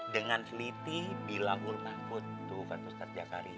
dengan teliti bilang ulmakut tuh kata ustadz jakaria